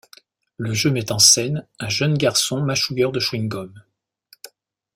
Le jeu met en scène un jeune garçon machouilleur de chewing-gum.